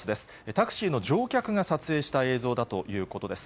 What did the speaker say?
タクシーの乗客が撮影した映像だということです。